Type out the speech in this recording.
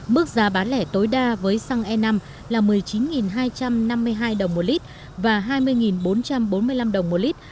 mức giá bán lẻ tối đa với xăng e năm là một mươi chín hai trăm năm mươi hai đồng một lít và hai mươi bốn trăm bốn mươi năm đồng một lít